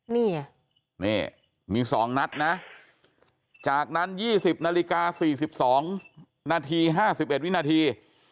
นี่นี่มีสองนัดนะจากนั้นยี่สิบนาฬิกาสี่สิบสองนาทีห้าสิบเอ็ดวินาที